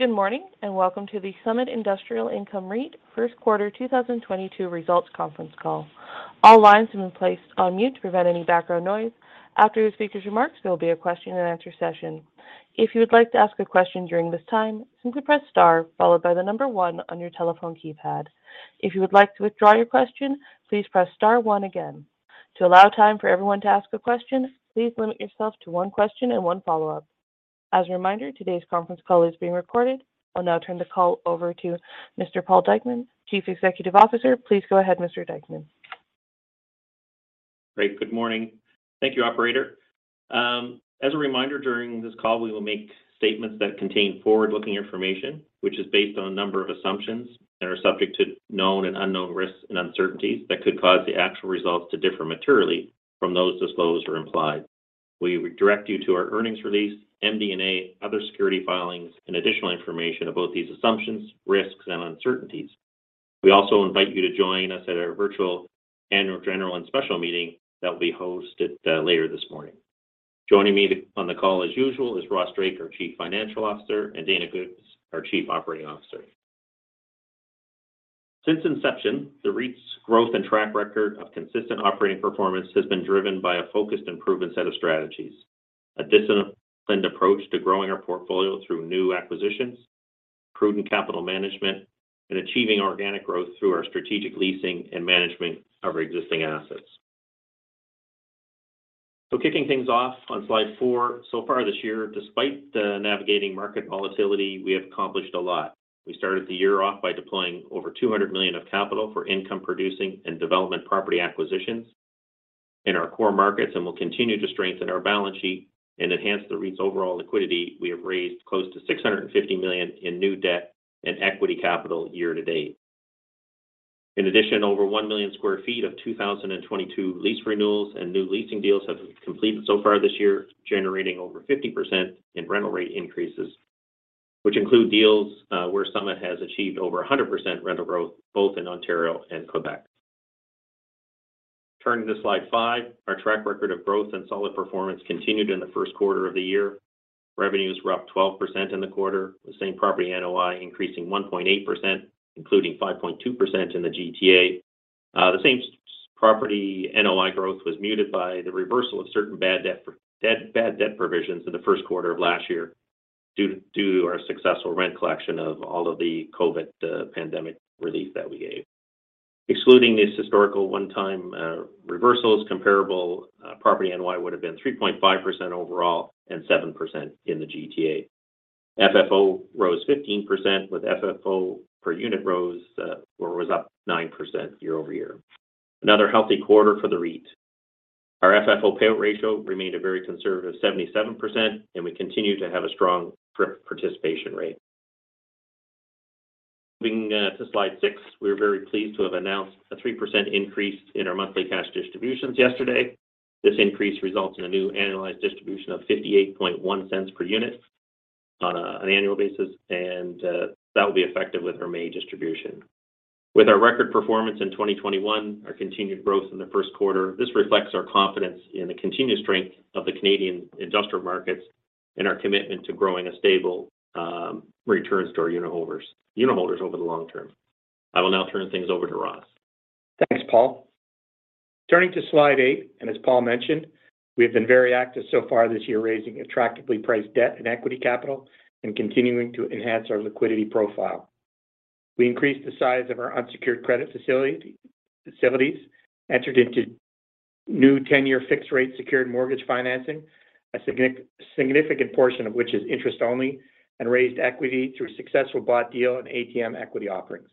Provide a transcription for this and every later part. Good morning, and welcome to the Summit Industrial Income REIT first quarter 2022 results conference call. All lines have been placed on mute to prevent any background noise. After the speaker's remarks, there will be a question and answer session. If you would like to ask a question during this time, simply press star followed by the number one on your telephone keypad. If you would like to withdraw your question, please press star one again. To allow time for everyone to ask a question, please limit yourself to one question and one follow-up. As a reminder, today's conference call is being recorded. I'll now turn the call over to Mr. Paul Dykeman, Chief Executive Officer. Please go ahead, Mr. Dykeman. Great. Good morning. Thank you, operator. As a reminder, during this call, we will make statements that contain forward-looking information, which is based on a number of assumptions and are subject to known and unknown risks and uncertainties that could cause the actual results to differ materially from those disclosed or implied. We would direct you to our earnings release, MD&A, other security filings and additional information about these assumptions, risks, and uncertainties. We also invite you to join us at our virtual annual general and special meeting that will be hosted later this morning. Joining me on the call as usual is Ross Drake, our Chief Financial Officer, and Dayna Gibbs, our Chief Operating Officer. Since inception, the REIT's growth and track record of consistent operating performance has been driven by a focused and proven set of strategies. A disciplined approach to growing our portfolio through new acquisitions, prudent capital management, and achieving organic growth through our strategic leasing and management of our existing assets. Kicking things off on slide four. So far this year, despite navigating market volatility, we have accomplished a lot. We started the year off by deploying over 200 million of capital for income-producing and development property acquisitions in our core markets, and we'll continue to strengthen our balance sheet and enhance the REIT's overall liquidity. We have raised close to 650 million in new debt and equity capital year to date. In addition, over 1 million sq ft of 2022 lease renewals and new leasing deals have been completed so far this year, generating over 50% in rental rate increases, which include deals where Summit has achieved over 100% rental growth both in Ontario and Quebec. Turning to slide 5. Our track record of growth and solid performance continued in the first quarter of the year. Revenues were up 12% in the quarter, with same-property NOI increasing 1.8%, including 5.2% in the GTA. The same-property NOI growth was muted by the reversal of certain bad debt provisions in the first quarter of last year due to our successful rent collection of all of the COVID pandemic relief that we gave. Excluding these historical one-time reversals, comparable property NOI would have been 3.5% overall and 7% in the GTA. FFO rose 15%, with FFO per unit was up 9% year-over-year. Another healthy quarter for the REIT. Our FFO payout ratio remained a very conservative 77%, and we continue to have a strong participation rate. Moving to Slide 6. We're very pleased to have announced a 3% increase in our monthly cash distributions yesterday. This increase results in a new annualized distribution of 0.581 per unit on an annual basis, and that will be effective with our May distribution. With our record performance in 2021, our continued growth in the first quarter, this reflects our confidence in the continued strength of the Canadian industrial markets and our commitment to growing a stable, returns to our unitholders over the long term. I will now turn things over to Ross. Thanks, Paul. Turning to slide 8, as Paul mentioned, we have been very active so far this year, raising attractively priced debt and equity capital and continuing to enhance our liquidity profile. We increased the size of our unsecured credit facilities, entered into new ten-year fixed rate secured mortgage financing, a significant portion of which is interest-only, and raised equity through a successful bought deal and ATM equity offerings.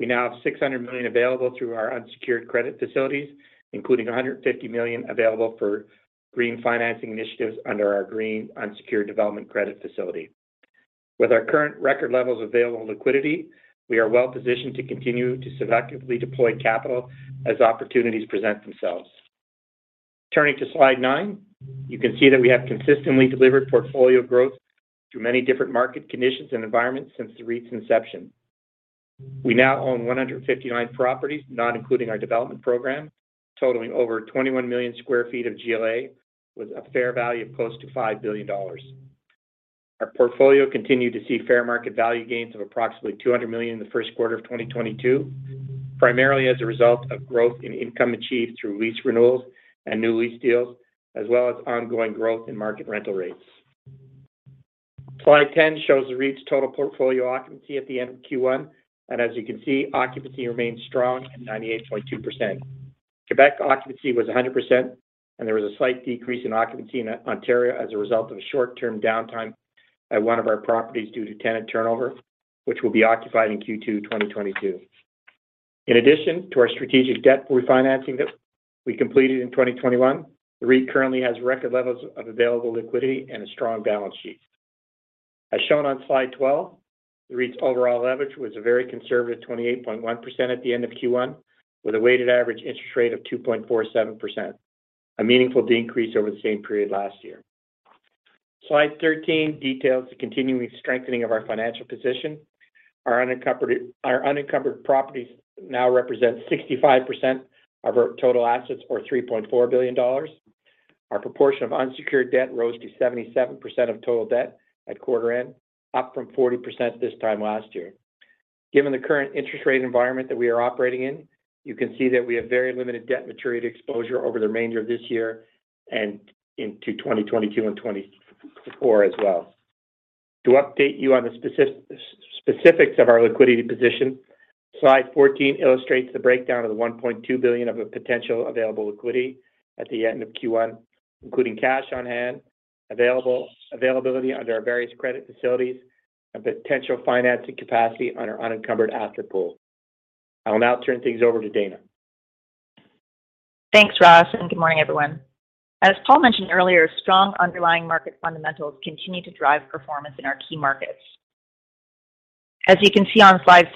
We now have 600 million available through our unsecured credit facilities, including 150 million available for green financing initiatives under our green unsecured development credit facility. With our current record levels of available liquidity, we are well positioned to continue to selectively deploy capital as opportunities present themselves. Turning to slide 9. You can see that we have consistently delivered portfolio growth through many different market conditions and environments since the REIT's inception. We now own 159 properties, not including our development program, totaling over 21 million sq ft of GLA with a fair value of close to 5 billion dollars. Our portfolio continued to see fair market value gains of approximately 200 million in the first quarter of 2022, primarily as a result of growth in income achieved through lease renewals and new lease deals, as well as ongoing growth in market rental rates. Slide 10 shows the REIT's total portfolio occupancy at the end of Q1, and as you can see, occupancy remains strong at 98.2%. Quebec occupancy was 100%, and there was a slight decrease in occupancy in Ontario as a result of a short-term downtime at one of our properties due to tenant turnover, which will be occupied in Q2 2022. In addition to our strategic debt refinancing that we completed in 2021, the REIT currently has record levels of available liquidity and a strong balance sheet. As shown on slide 12, the REIT's overall leverage was a very conservative 28.1% at the end of Q1, with a weighted average interest rate of 2.47%, a meaningful decrease over the same period last year. Slide 13 details the continuing strengthening of our financial position. Our unencumbered properties now represent 65% of our total assets, or 3.4 billion dollars. Our proportion of unsecured debt rose to 77% of total debt at quarter end, up from 40% this time last year. Given the current interest rate environment that we are operating in, you can see that we have very limited debt maturity exposure over the remainder of this year and into 2022 and 2024 as well. To update you on the specifics of our liquidity position, slide 14 illustrates the breakdown of the 1.2 billion of a potential available liquidity at the end of Q1, including cash on hand, availability under our various credit facilities, and potential financing capacity on our unencumbered asset pool. I will now turn things over to Dayna. Thanks, Ross, and good morning, everyone. As Paul mentioned earlier, strong underlying market fundamentals continue to drive performance in our key markets. As you can see on slide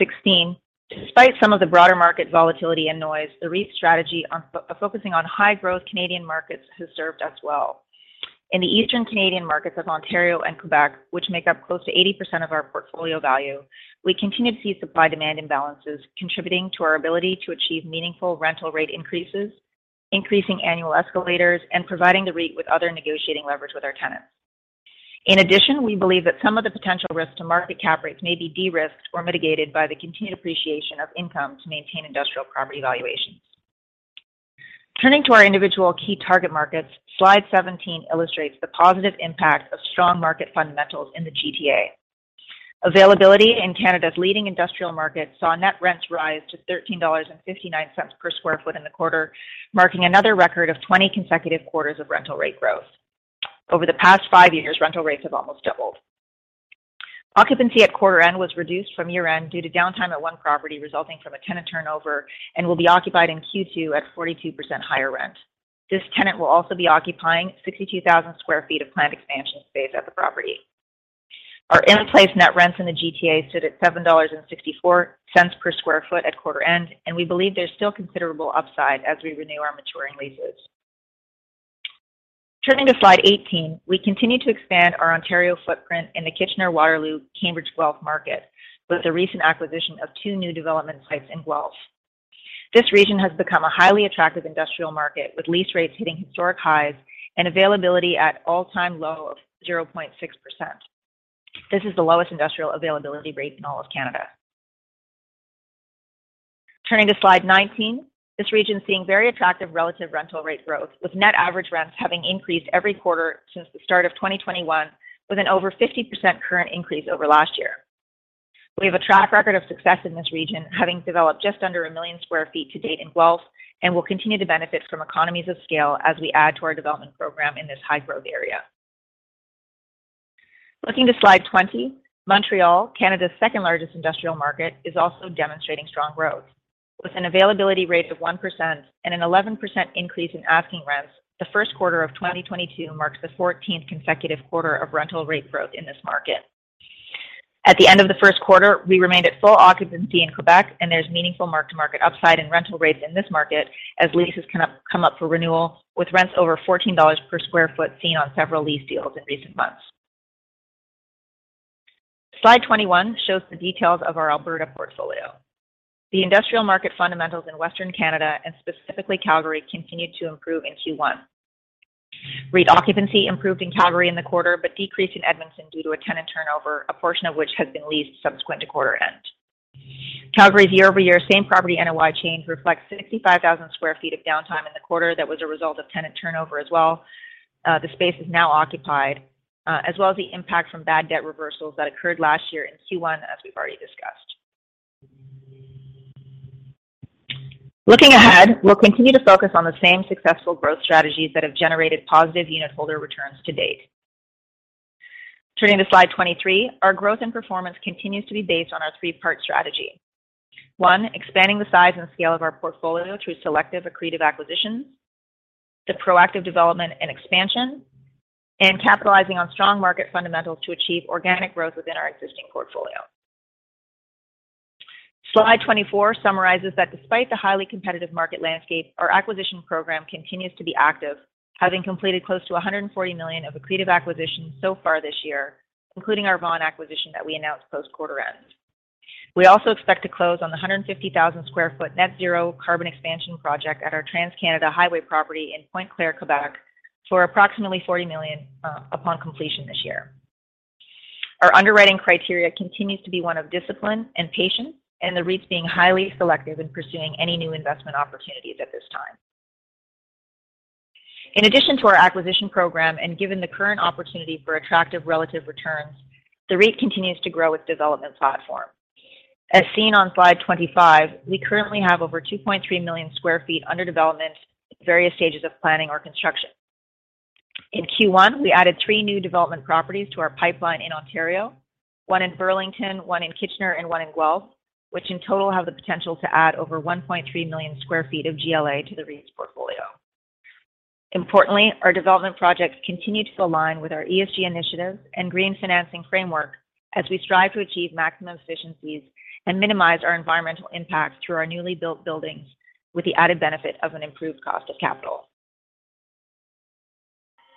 16, despite some of the broader market volatility and noise, the REIT strategy on focusing on high-growth Canadian markets has served us well. In the Eastern Canadian markets of Ontario and Quebec, which make up close to 80% of our portfolio value, we continue to see supply-demand imbalances contributing to our ability to achieve meaningful rental rate increases, increasing annual escalators, and providing the REIT with other negotiating leverage with our tenants. In addition, we believe that some of the potential risks to market cap rates may be de-risked or mitigated by the continued appreciation of income to maintain industrial property valuations. Turning to our individual key target markets, slide 17 illustrates the positive impact of strong market fundamentals in the GTA. Availability in Canada's leading industrial markets saw net rents rise to 13.59 dollars per square feet in the quarter, marking another record of 20 consecutive quarters of rental rate growth. Over the past 5 years, rental rates have almost doubled. Occupancy at quarter end was reduced from year-end due to downtime at one property resulting from a tenant turnover, and will be occupied in Q2 at 42% higher rent. This tenant will also be occupying 62,000 square feet of planned expansion space at the property. Our in-place net rents in the GTA sit at 7.64 dollars per square feet at quarter end, and we believe there's still considerable upside as we renew our maturing leases. Turning to slide 18, we continue to expand our Ontario footprint in the Kitchener-Waterloo, Cambridge-Guelph market with the recent acquisition of two new development sites in Guelph. This region has become a highly attractive industrial market, with lease rates hitting historic highs and availability at all-time low of 0.6%. This is the lowest industrial availability rate in all of Canada. Turning to slide 19, this region's seeing very attractive relative rental rate growth, with net average rents having increased every quarter since the start of 2021, with an over 50% current increase over last year. We have a track record of success in this region, having developed just under a million square feet to date in Guelph, and will continue to benefit from economies of scale as we add to our development program in this high-growth area. Looking to slide 20, Montreal, Canada's second-largest industrial market, is also demonstrating strong growth. With an availability rate of 1% and an 11% increase in asking rents, the first quarter of 2022 marks the 14th consecutive quarter of rental rate growth in this market. At the end of the first quarter, we remained at full occupancy in Quebec, and there's meaningful mark-to-market upside in rental rates in this market as leases come up for renewal, with rents over 14 dollars persquare feet seen on several lease deals in recent months. Slide 21 shows the details of our Alberta portfolio. The industrial market fundamentals in Western Canada, and specifically Calgary, continued to improve in Q1. REIT occupancy improved in Calgary in the quarter but decreased in Edmonton due to a tenant turnover, a portion of which has been leased subsequent to quarter end. Calgary's year-over-year same property NOI change reflects 65,000 square feet of downtime in the quarter that was a result of tenant turnover as well. The space is now occupied, as well as the impact from bad debt reversals that occurred last year in Q1, as we've already discussed. Looking ahead, we'll continue to focus on the same successful growth strategies that have generated positive unit holder returns to date. Turning to slide 23, our growth and performance continues to be based on our three-part strategy. One, expanding the size and scale of our portfolio through selective accretive acquisitions, two proactive development and expansion, and capitalizing on strong market fundamentals to achieve organic growth within our existing portfolio. Slide 24 summarizes that despite the highly competitive market landscape, our acquisition program continues to be active, having completed close to 140 million of accretive acquisitions so far this year, including our Vaughan acquisition that we announced post-quarter end. We also expect to close on the 150,000 square feet net zero carbon expansion project at our Trans-Canada Highway property in Pointe-Claire, Quebec, for approximately 40 million upon completion this year. Our underwriting criteria continues to be one of discipline and patience, and the REIT's being highly selective in pursuing any new investment opportunities at this time. In addition to our acquisition program, and given the current opportunity for attractive relative returns, the REIT continues to grow its development platform. As seen on slide 25, we currently have over 2.3 million square feet under development in various stages of planning or construction. In Q1, we added three new development properties to our pipeline in Ontario, one in Burlington, one in Kitchener, and one in Guelph, which in total have the potential to add over 1.3 million square feet of GLA to the REIT's portfolio. Importantly, our development projects continue to align with our ESG initiative and green financing framework as we strive to achieve maximum efficiencies and minimize our environmental impact through our newly built buildings with the added benefit of an improved cost of capital.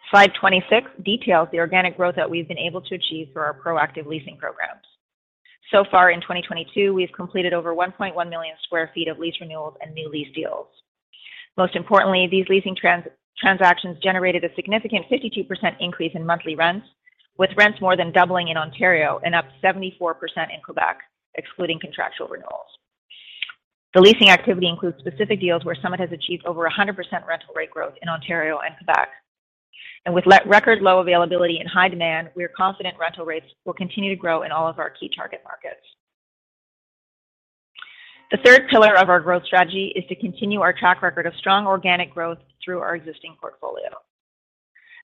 Slide 26 details the organic growth that we've been able to achieve through our proactive leasing programs. So far in 2022, we've completed over 1.1 million square feet of lease renewals and new lease deals. Most importantly, these leasing transactions generated a significant 52% increase in monthly rents, with rents more than doubling in Ontario and up 74% in Quebec, excluding contractual renewals. The leasing activity includes specific deals where Summit has achieved over 100% rental rate growth in Ontario and Quebec. With record low availability and high demand, we are confident rental rates will continue to grow in all of our key target markets. The third pillar of our growth strategy is to continue our track record of strong organic growth through our existing portfolio.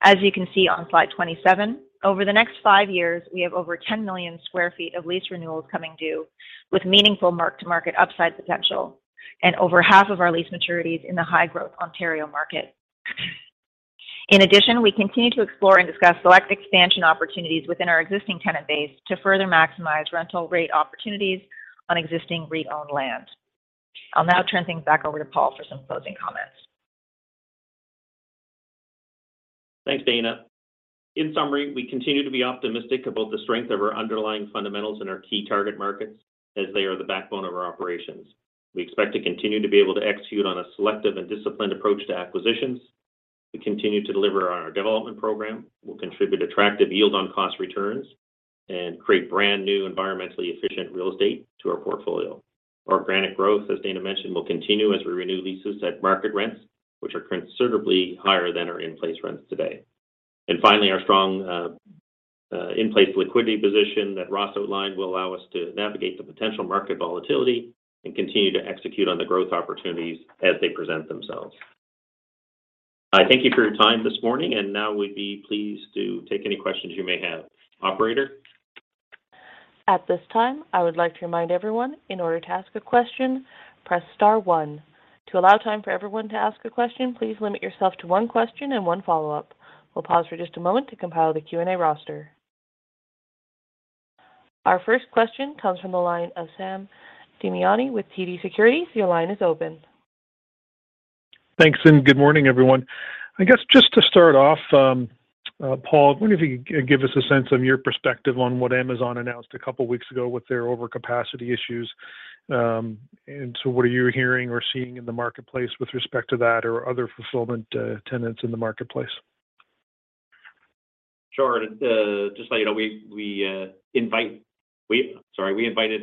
As you can see on slide 27, over the next 5 years, we have over 10 million square feet of lease renewals coming due with meaningful mark-to-market upside potential and over half of our lease maturities in the high-growth Ontario market. In addition, we continue to explore and discuss select expansion opportunities within our existing tenant base to further maximize rental rate opportunities on existing our own land. I'll now turn things back over to Paul for some closing comments. Thanks, Dayna. In summary, we continue to be optimistic about the strength of our underlying fundamentals in our key target markets as they are the backbone of our operations. We expect to continue to be able to execute on a selective and disciplined approach to acquisitions. We continue to deliver on our development program. We'll contribute attractive yield on cost returns, and create brand-new environmentally efficient real estate to our portfolio. Our organic growth, as Dayna mentioned, will continue as we renew leases at market rents, which are considerably higher than our in-place rents today. Finally, our strong, in-place liquidity position that Ross outlined will allow us to navigate the potential market volatility and continue to execute on the growth opportunities as they present themselves. I thank you for your time this morning, and now we'd be pleased to take any questions you may have. Operator? At this time, I would like to remind everyone in order to ask a question, press star one. To allow time for everyone to ask a question, please limit yourself to one question and one follow-up. We'll pause for just a moment to compile the Q&A roster. Our first question comes from the line of Sam Damiani with TD Securities. Your line is open. Thanks, and good morning, everyone. I guess just to start off, Paul, I wonder if you could give us a sense of your perspective on what Amazon announced a couple weeks ago with their overcapacity issues. What are you hearing or seeing in the marketplace with respect to that or other fulfillment tenants in the marketplace? Just so you know, we invited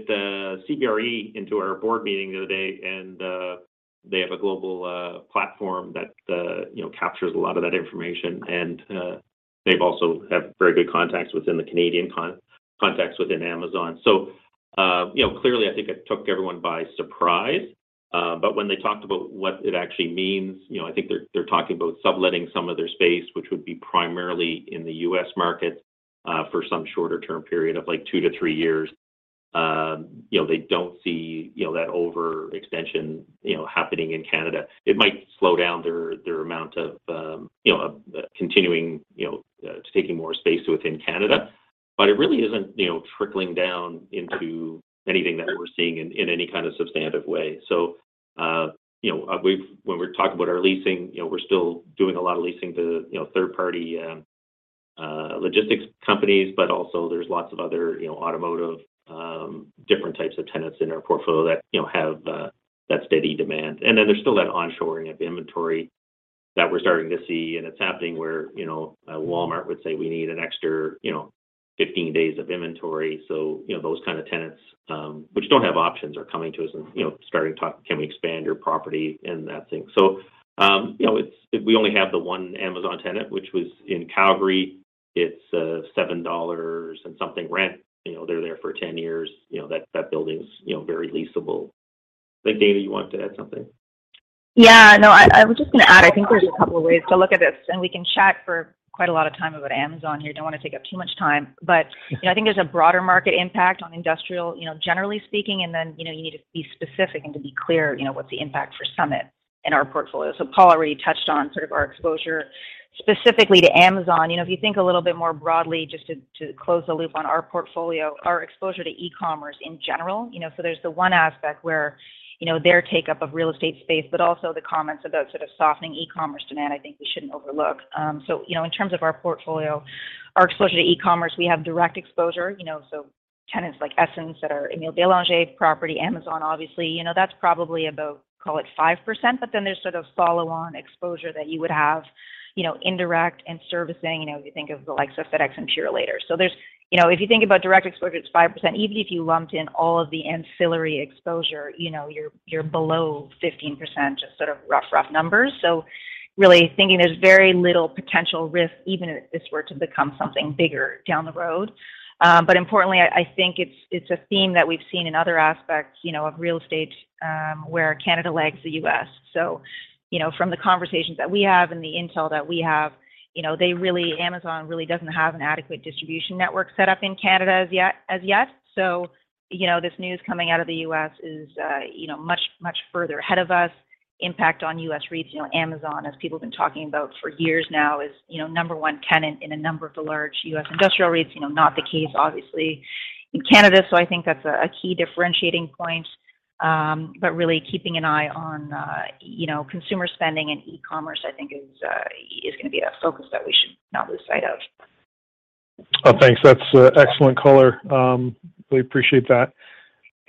the CBRE into our board meeting the other day, and they have a global platform that you know captures a lot of that information. They've also have very good contacts within the Canadian contacts within Amazon. You know, clearly, I think it took everyone by surprise. When they talked about what it actually means, you know, I think they're talking about subletting some of their space, which would be primarily in the U.S. market for some shorter term period of, like, 2-3 years. You know, they don't see that overextension you know happening in Canada. It might slow down their amount of you know continuing you know taking more space within Canada. It really isn't, you know, trickling down into anything that we're seeing in any kind of substantive way. You know, when we talk about our leasing, you know, we're still doing a lot of leasing to, you know, third party logistics companies, but also there's lots of other, you know, automotive, different types of tenants in our portfolio that, you know, have that steady demand. Then there's still that onshoring of inventory that we're starting to see, and it's happening where, you know, Walmart would say, "We need an extra, you know, 15 days of inventory." You know, those kind of tenants, which don't have options, are coming to us and, you know, starting to talk, "Can we expand your property?" and that thing. You know, we only have the one Amazon tenant, which was in Calgary. It's 7 dollars and something rent. You know, they're there for 10 years. You know, that building's very leasable. I think, Dayna, you wanted to add something. Yeah, no, I was just gonna add, I think there's a couple of ways to look at this, and we can chat for quite a lot of time about Amazon here. Don't want to take up too much time. You know, I think there's a broader market impact on industrial, you know, generally speaking, and then, you know, you need to be specific and to be clear, you know, what's the impact for Summit and our portfolio. Paul already touched on sort of our exposure specifically to Amazon. You know, if you think a little bit more broadly just to close the loop on our portfolio, our exposure to e-commerce in general. You know, so there's the one aspect where, you know, their take-up of real estate space, but also the comments about sort of softening e-commerce demand I think we shouldn't overlook. You know, in terms of our portfolio, our exposure to e-commerce, we have direct exposure. You know, tenants like Essentia that are Émile-Bélanger property, Amazon, obviously. You know, that's probably about, call it 5%, but then there's sort of follow-on exposure that you would have, you know, indirect and servicing, you know, if you think of the likes of FedEx and Purolator. There's, you know, if you think about direct exposure, it's 5%. Even if you lumped in all of the ancillary exposure, you know, you're below 15%, just sort of rough numbers. Really thinking there's very little potential risk even if this were to become something bigger down the road. Importantly, I think it's a theme that we've seen in other aspects, you know, of real estate, where Canada lags the US. You know, from the conversations that we have and the intel that we have, you know, Amazon really doesn't have an adequate distribution network set up in Canada as yet. You know, this news coming out of the U.S. is, you know, much further ahead of us. Impact on U.S. REITs, you know, Amazon, as people have been talking about for years now, is, you know, number one tenant in a number of the large U.S. industrial REITs. You know, not the case, obviously, in Canada. I think that's a key differentiating point. Really keeping an eye on, you know, consumer spending and e-commerce, I think is gonna be a focus that we should not lose sight of. Oh, thanks. That's excellent color. We appreciate that.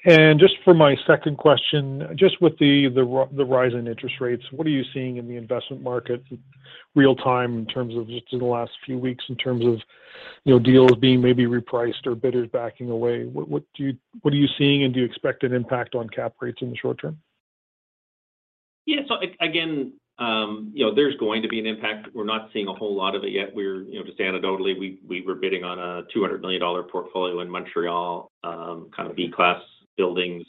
Just for my second question, just with the rise in interest rates, what are you seeing in the investment market real time in terms of just in the last few weeks in terms of, you know, deals being maybe repriced or bidders backing away? What are you seeing, and do you expect an impact on cap rates in the short term? Yeah. Again, you know, there's going to be an impact. We're not seeing a whole lot of it yet. You know, just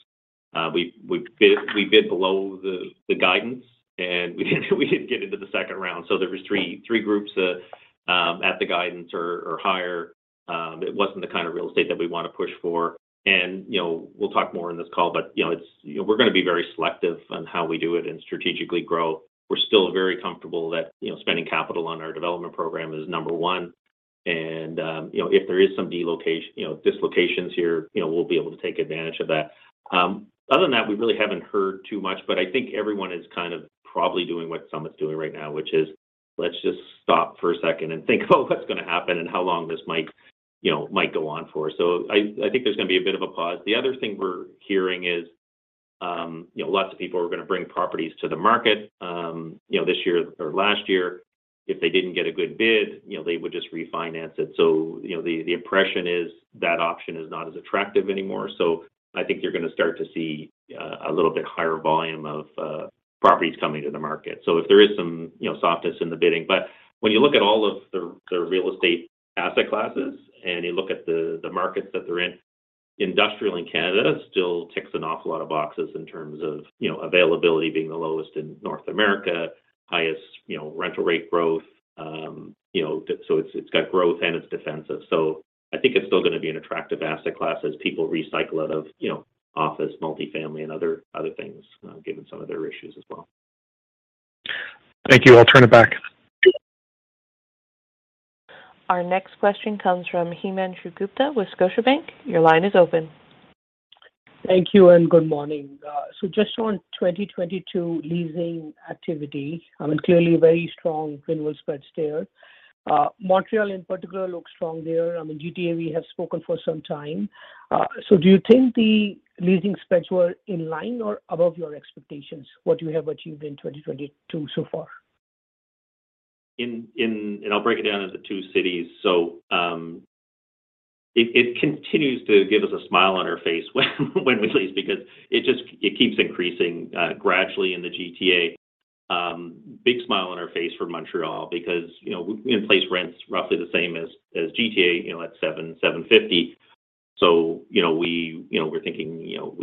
anecdotally, we were bidding on a CAD 200 million portfolio in Montreal, kind of B-class buildings. We bid below the guidance, and we didn't get into the second round. There was three groups at the guidance or higher. It wasn't the kind of real estate that we want to push for. You know, we'll talk more in this call, but you know, it's. You know, we're gonna be very selective on how we do it and strategically grow. We're still very comfortable that, you know, spending capital on our development program is number one. You know, if there is some dislocations here, you know, we'll be able to take advantage of that. Other than that, we really haven't heard too much, but I think everyone is kind of probably doing what Summit's doing right now, which is let's just stop for a second and think about what's gonna happen and how long this might, you know, go on for. I think there's gonna be a bit of a pause. The other thing we're hearing is, you know, lots of people are gonna bring properties to the market. You know, this year or last year, if they didn't get a good bid, you know, they would just refinance it. You know, the impression is that option is not as attractive anymore. I think you're gonna start to see a little bit higher volume of properties coming to the market. If there is some, you know, softness in the bidding. When you look at all of the real estate asset classes and you look at the markets that they're in, industrial in Canada still ticks an awful lot of boxes in terms of, you know, availability being the lowest in North America, highest, you know, rental rate growth. It's got growth and it's defensive. I think it's still gonna be an attractive asset class as people recycle out of, you know, office, multifamily and other things, given some of their issues as well. Thank you. I'll turn it back. Our next question comes from Himanshu Gupta with Scotiabank. Your line is open. Thank you and good morning. Just on 2022 leasing activity, I mean, clearly very strong renewal spreads there. Montreal in particular looks strong there. I mean, GTA we have spoken for some time. Do you think the leasing spreads were in line or above your expectations, what you have achieved in 2022 so far? I'll break it down into two cities. It continues to give us a smile on our face when we lease because it keeps increasing gradually in the GTA. Big smile on our face for Montreal because, you know, in-place rent's roughly the same as GTA, you know, at 7.50. We're thinking, you know,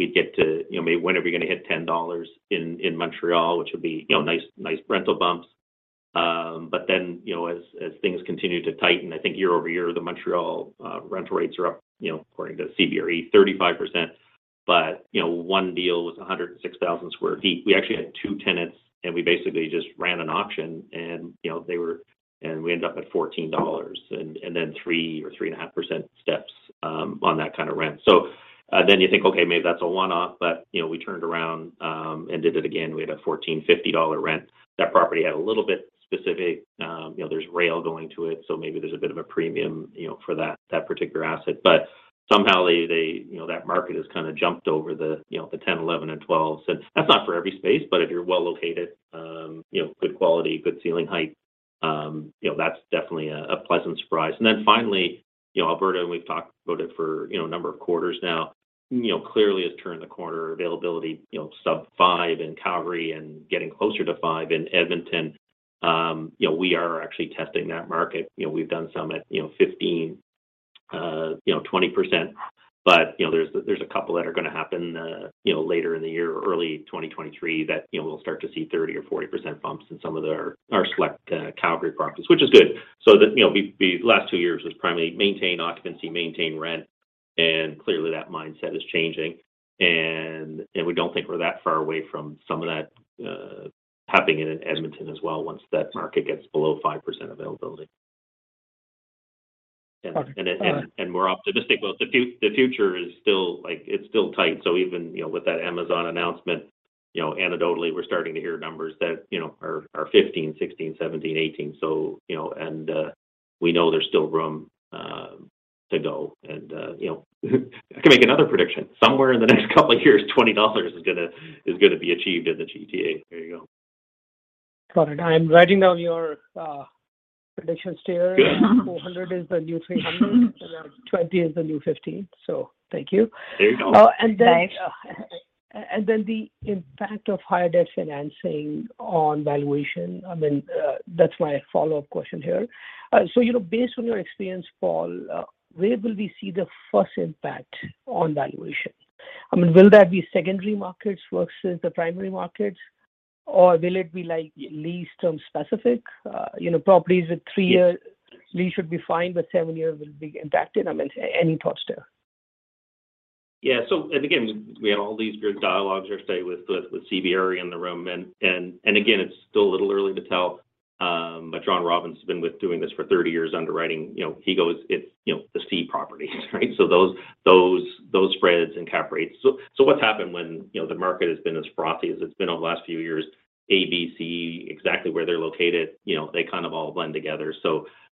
maybe when are we gonna hit 10 dollars in Montreal, which would be, you know, nice rental bumps. As things continue to tighten, I think year-over-year the Montreal rental rates are up, you know, according to CBRE, 35%. You know, one deal was 106,000 square feet. We actually had two tenants, and we basically just ran an auction and, you know, we ended up at 14 dollars and then 3% or 3.5% steps on that kind of rent. You think, okay, maybe that's a one-off, but you know, we turned around and did it again. We had a 14.50 dollar rent. That property had a little bit specific, you know, there's rail going to it, so maybe there's a bit of a premium, you know, for that particular asset. Somehow they, you know, that market has kind of jumped over the, you know, the 0.10, 0.11 and 0.12. That's not for every space, but if you're well located, you know, good quality, good ceiling height, you know, that's definitely a pleasant surprise. Finally, you know, Alberta, and we've talked about it for, you know, a number of quarters now, you know, clearly has turned the corner. Availability, you know, sub-5% in Calgary and getting closer to 5% in Edmonton. You know, we are actually testing that market. You know, we've done some at, you know, 15%-20%. But, you know, there's a couple that are gonna happen, you know, later in the year or early 2023 that, you know, we'll start to see 30% or 40% bumps in some of our select, Calgary properties, which is good. The, you know, the last two years was primarily maintain occupancy, maintain rent, and clearly that mindset is changing. We don't think we're that far away from some of that happening in Edmonton as well once that market gets below 5% availability. All right. All right. More optimistic. Well, the future is still like it's still tight. Even, you know, with that Amazon announcement, you know, anecdotally we're starting to hear numbers that, you know, are 15, 16, 17, 18. You know, we know there's still room to go. You know, I can make another prediction. Somewhere in the next couple of years, 20 dollars is gonna be achieved in the GTA. There you go. Got it. I am writing down your predictions there. 400 is the new 300, and 20 is the new 15. Thank you. There you go. Thanks. The impact of higher debt financing on valuation, I mean, that's my follow-up question here. You know, based on your experience, Paul, where will we see the first impact on valuation? I mean, will that be secondary markets versus the primary markets, or will it be like lease term specific? You know, properties with three years lease should be fine, but seven years will be impacted. I mean, any thoughts there? Yeah. Again, we had all these great dialogues yesterday with CBRE in the room. Again, it's still a little early to tell. But Jonathan Robbins has been with doing this for 30 years underwriting, you know, he goes, it's, you know, the C properties, right? So those spreads and cap rates. So what's happened when, you know, the market has been as frothy as it's been over the last few years, A, B, C, exactly where they're located, you know, they kind of all blend together.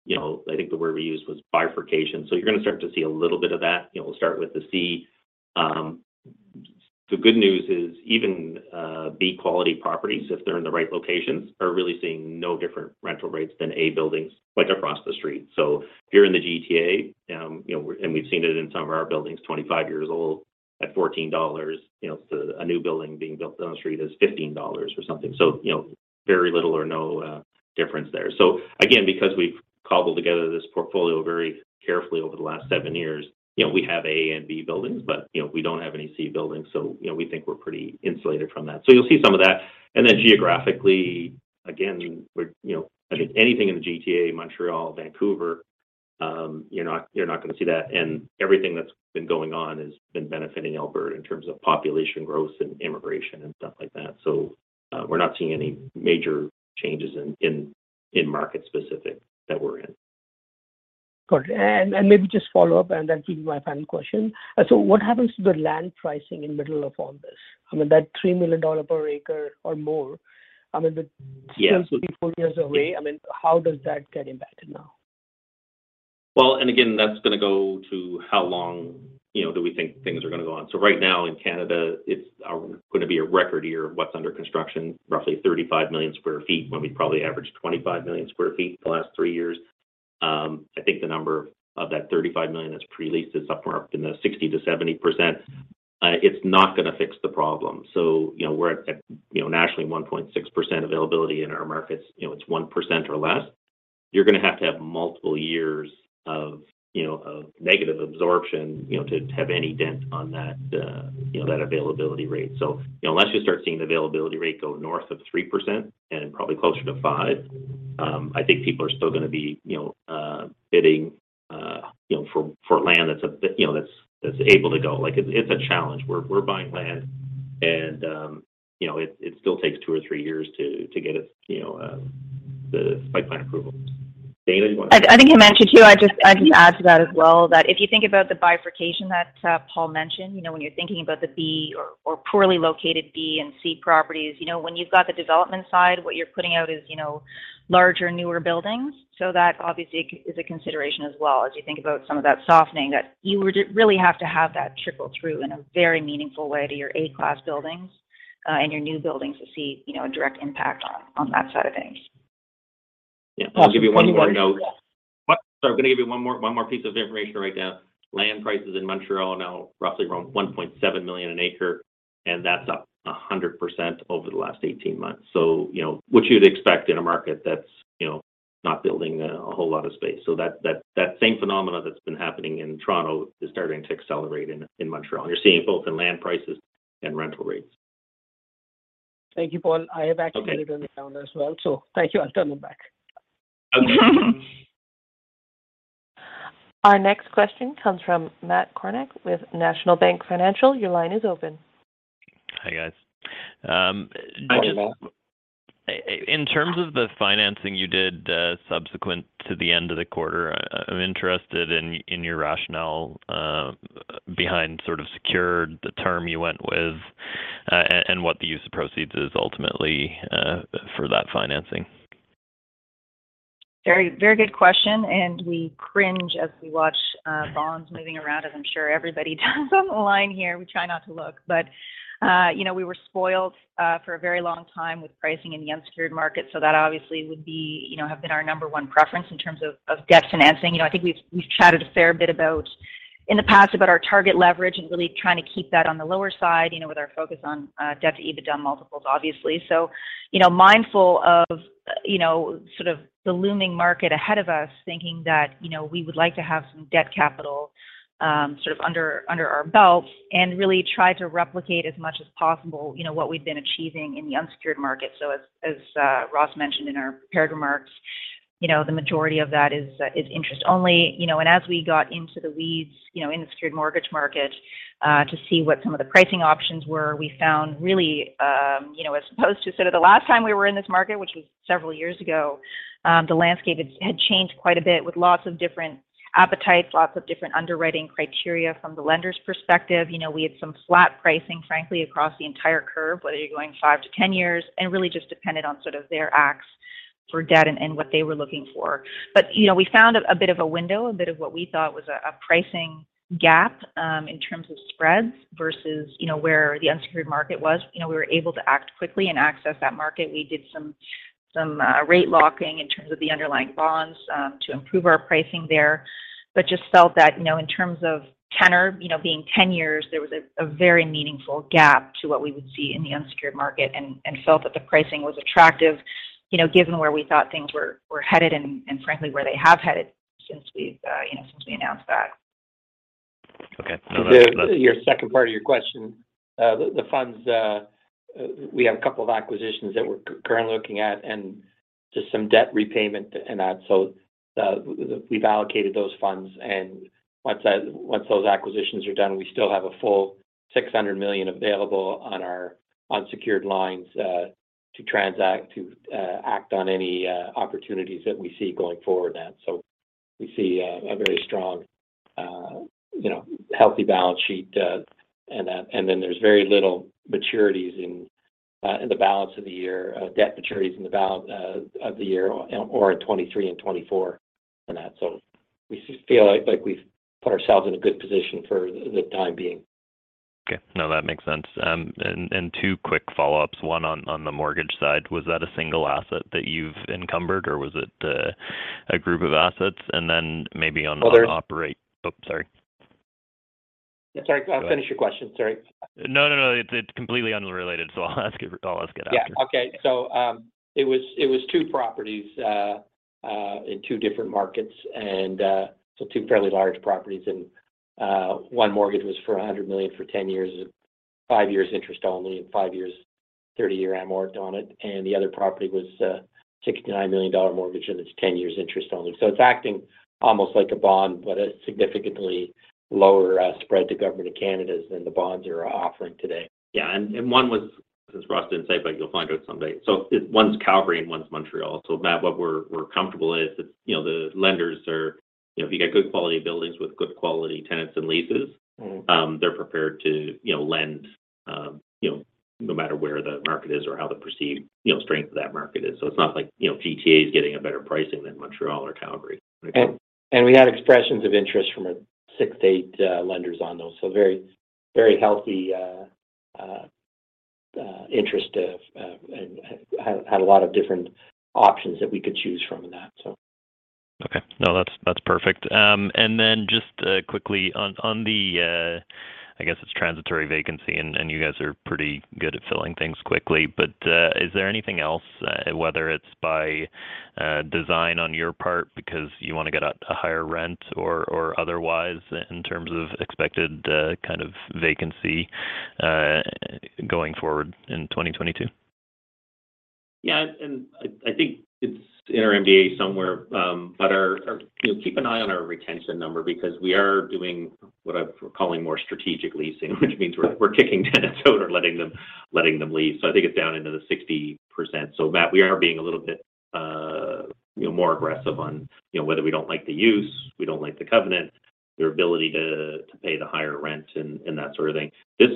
You know, I think the word we used was bifurcation. You're gonna start to see a little bit of that. You know, we'll start with the C. The good news is even B quality properties, if they're in the right locations, are really seeing no different rental rates than A buildings like across the street. If you're in the GTA, you know, and we've seen it in some of our buildings, 25 years old at $14, you know, to a new building being built down the street is CA D 15 or something. You know, very little or no difference there. Again, because we've cobbled together this portfolio very carefully over the last seven years, you know, we have A and B buildings, but you know, we don't have any C buildings, so you know, we think we're pretty insulated from that. You'll see some of that. Then geographically, again, we're you know. I mean anything in the GTA, Montreal, Vancouver, you're not gonna see that. Everything that's been going on has been benefiting Alberta in terms of population growth and immigration and stuff like that. We're not seeing any major changes in market specific that we're in. Got it. Maybe just follow up and then give you my final question. What happens to the land pricing in the middle of all this? I mean that $3 million per acre or more, I mean the- Yeah. Still 3, 4 years away. I mean, how does that get impacted now? Again, that's gonna go to how long, you know, do we think things are gonna go on. Right now in Canada, it's going to be a record year of what's under construction. Roughly 35 million square feet when we probably averaged 25 million square feet the last 3 years. I think the number of that 35 million that's pre-leased is upwards of 60%-70%. It's not gonna fix the problem. You know, we're at, you know, nationally 1.6% availability in our markets. You know, it's 1% or less. You're gonna have to have multiple years of, you know, of negative absorption, you know, to have any dent on that, you know, that availability rate. You know, unless you start seeing the availability rate go north of 3% and probably closer to 5%, I think people are still gonna be, you know, bidding, you know, for land that's a bit, you know, that's able to go. Like it's a challenge. We're buying land and, you know, it still takes two or three years to get it, you know, the pipeline approval. Dana, you wanna I think I mentioned too, I'd just add to that as well, that if you think about the bifurcation that Paul mentioned, you know, when you're thinking about the B or poorly located B and C properties. You know, when you've got the development side, what you're putting out is, you know, larger, newer buildings. So that obviously is a consideration as well as you think about some of that softening that you would really have to have that trickle through in a very meaningful way to your A class buildings, and your new buildings to see, you know, a direct impact on that side of things. Yeah. I'll give you one more note. Awesome. Thank you. What? Sorry. I'm gonna give you one more piece of information right now. Land prices in Montreal now roughly around 1.7 million an acre, and that's up 100% over the last 18 months. You know, which you'd expect in a market that's, you know, not building a whole lot of space. That same phenomena that's been happening in Toronto is starting to accelerate in Montreal. You're seeing it both in land prices and rental rates. Thank you, Paul. Okay. I have actually written it down as well, so thank you. I'll turn it back. Okay. Our next question comes from Matt Kornack with National Bank Financial. Your line is open. Hi guys. Hi Matt. In terms of the financing you did, subsequent to the end of the quarter, I'm interested in your rationale behind sort of the secured term you went with, and what the use of proceeds is ultimately for that financing. Very, very good question, and we cringe as we watch bonds moving around, as I'm sure everybody does on the line here. We try not to look, but you know, we were spoiled for a very long time with pricing in the unsecured market. That obviously would be, you know, have been our number one preference in terms of of debt financing. You know, I think we've chatted a fair bit about, in the past about our target leverage and really trying to keep that on the lower side, you know, with our focus on debt to EBITDA multiples obviously. You know, mindful of, you know, sort of the looming market ahead of us thinking that, you know, we would like to have some debt capital, sort of under our belt and really try to replicate as much as possible, you know, what we'd been achieving in the unsecured market. As Ross mentioned in our prepared remarks, you know, the majority of that is interest only. You know, as we got into the weeds, you know, in the secured mortgage market, to see what some of the pricing options were, we found really, you know, as opposed to sort of the last time we were in this market, which was several years ago, the landscape had changed quite a bit with lots of different appetites, lots of different underwriting criteria from the lender's perspective. You know, we had some flat pricing, frankly, across the entire curve, whether you're going 5-10 years, and really just depended on sort of their asks for debt and what they were looking for. You know, we found a bit of a window, a bit of what we thought was a pricing gap in terms of spreads versus, you know, where the unsecured market was. You know, we were able to act quickly and access that market. We did some rate locking in terms of the underlying bonds to improve our pricing there. Just felt that, you know, in terms of tenor, you know, being ten years, there was a very meaningful gap to what we would see in the unsecured market and felt that the pricing was attractive, you know, given where we thought things were headed and frankly, where they have headed since we've you know since we announced that. Okay. Your second part of your question, the funds, we have a couple of acquisitions that we're currently looking at and just some debt repayment in that. We've allocated those funds and once those acquisitions are done, we still have a full 600 million available on our unsecured lines to act on any opportunities that we see going forward. We see a very strong, you know, healthy balance sheet. There's very little debt maturities in the balance of the year or 2023 and 2024 on that. We feel like we've put ourselves in a good position for the time being. Okay. No, that makes sense. Two quick follow-ups. One on the mortgage side. Was that a single asset that you've encumbered, or was it a group of assets? Maybe on- Well, there's Oh, sorry. Sorry. Finish your question. Sorry. No, it's completely unrelated, so I'll ask it after. Yeah. Okay. It was two properties in two different markets, two fairly large properties. One mortgage was for 100 million for 10 years, 5 years interest only, and 5 years 30-year amort on it, and the other property was a 69 million dollar mortgage, and it's 10 years interest only. It's acting almost like a bond, but a significantly lower spread to Government of Canada's than the bonds are offering today. Yeah. One was, since Ross didn't say, but you'll find out someday. One's Calgary and one's Montreal. Matt, what we're comfortable is it's, you know, the lenders are. You know, if you got good quality buildings with good quality tenants and leases. Mm-hmm They're prepared to, you know, lend, you know, no matter where the market is or how the perceived, you know, strength of that market is. It's not like, you know, GTA is getting a better pricing than Montreal or Calgary. We had expressions of interest from six to eight lenders on those. Very healthy interest and had a lot of different options that we could choose from in that, so. Okay. No, that's perfect. Then just quickly on the, I guess it's transitory vacancy, and you guys are pretty good at filling things quickly. Is there anything else, whether it's by design on your part because you wanna get a higher rent or otherwise in terms of expected kind of vacancy going forward in 2022? Yeah. I think it's in our MD&A somewhere, but you know, keep an eye on our retention number because we are doing what we're calling more strategic leasing which means we're kicking tenants out or letting them leave. I think it's down into the 60%. Matt, we are being a little bit, you know, more aggressive on, you know, whether we don't like the use, we don't like the covenant, their ability to pay the higher rent and that sort of thing. This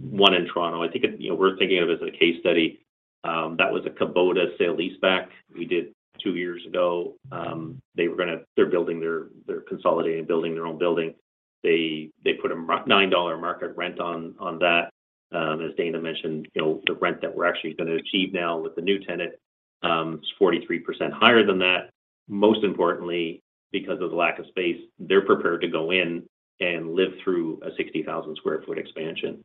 one in Toronto, I think you know, we're thinking of as a case study, that was a Kubota sale leaseback we did two years ago. They're building their own building. They're consolidating building their own building. They put a 9 dollar market rent on that. As Dana mentioned, you know, the rent that we're actually gonna achieve now with the new tenant is 43% higher than that. Most importantly, because of the lack of space, they're prepared to go in and live through a 60,000 square feet expansion.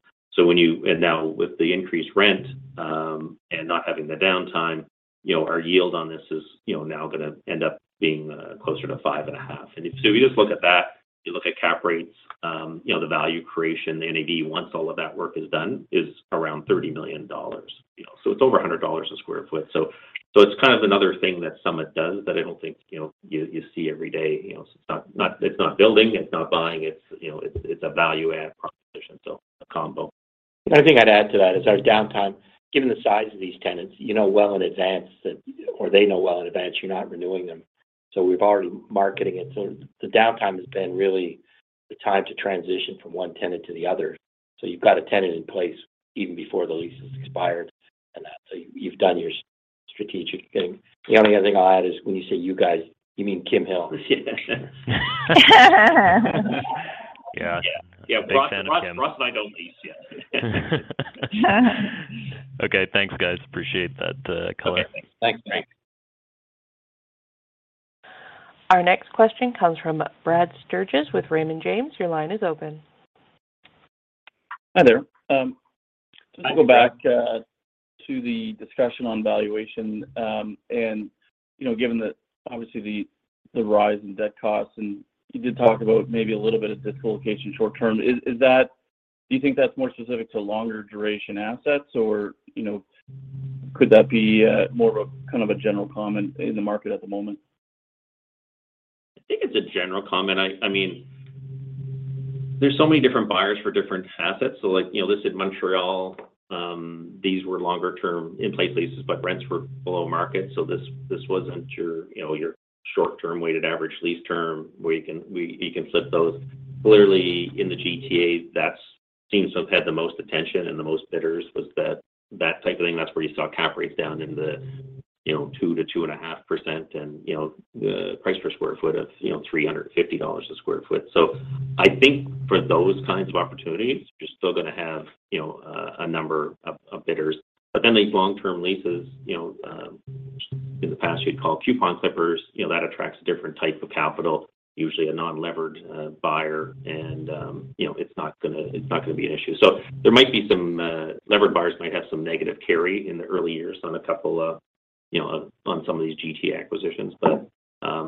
Now with the increased rent and not having the downtime, you know, our yield on this is, you know, now gonna end up being closer to 5.5%. You just look at that, you look at cap rates, you know, the value creation, the NAV once all of that work is done is around 30 million dollars. You know, it's over 100 dollars/ square feet. It's kind of another thing that Summit does that I don't think, you know, you see every day. You know, it's not building. It's not buying. You know, it's a value add proposition. So a combo. The only thing I'd add to that is our downtime, given the size of these tenants. You know well in advance that, or they know well in advance, you're not renewing them. We're already marketing it. The downtime has been really the time to transition from one tenant to the other. You've got a tenant in place even before the lease has expired and that. You've done your strategic thing. The only other thing I'll add is when you say you guys, you mean Kimberley Hill. Yeah. Yeah. Big fan of Kim. Yeah. Ross and I don't lease. Yeah. Okay. Thanks, guys. Appreciate that, color. Okay. Thanks. Thanks. Our next question comes from Brad Sturges with Raymond James. Your line is open. Hi there. Hi. To go back to the discussion on valuation, you know, given the obviously the rise in debt costs, and you did talk about maybe a little bit of dislocation short term. Is that do you think that's more specific to longer duration assets or, you know, could that be more of a kind of a general comment in the market at the moment? I think it's a general comment. I mean, there's so many different buyers for different assets. So like, you know, this in Montreal, these were longer term in-place leases, but rents were below market. So this wasn't your, you know, your short term weighted average lease term where you can flip those. Clearly in the GTA, that seems to have had the most attention and the most bidders was that type of thing. That's where you saw cap rates down in the, you know, 2%-2.5% and, you know, the price per square foot of, you know, 350 dollars a square feet. So I think for those kinds of opportunities, you're still gonna have, you know, a number of bidders. These long-term leases, you know, in the past, you'd call coupon clippers, you know, that attracts different type of capital, usually a non-levered buyer and, you know, it's not gonna be an issue. So there might be some levered buyers might have some negative carry in the early years on a couple of, you know, on some of these GTA acquisitions.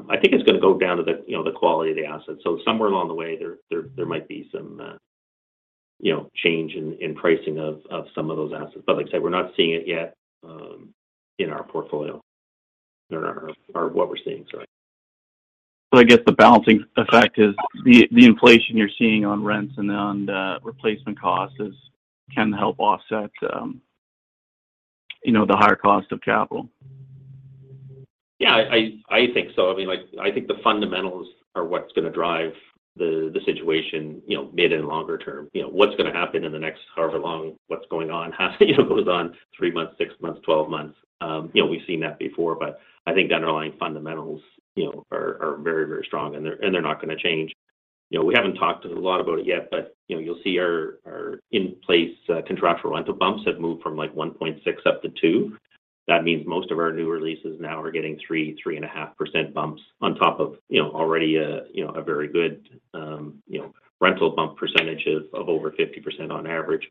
I think it's gonna go down to the, you know, the quality of the asset. So somewhere along the way there might be some, you know, change in pricing of some of those assets. Like I said, we're not seeing it yet in our portfolio or what we're seeing, sorry. I guess the balancing effect is the inflation you're seeing on rents and on the replacement costs can help offset, you know, the higher cost of capital. Yeah, I think so. I mean, like, I think the fundamentals are what's gonna drive the situation, you know, mid and longer term. You know, what's gonna happen in the next however long, you know, goes on, 3 months, 6 months, 12 months. You know, we've seen that before, but I think the underlying fundamentals, you know, are very, very strong and they're not gonna change. You know, we haven't talked a lot about it yet, but, you know, you'll see our in-place contractual rental bumps have moved from like 1.6 up to 2. That means most of our new releases now are getting 3.5% bumps on top of, you know, already a very good rental bump percentages of over 50% on average.